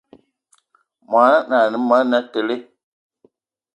Món ané a monatele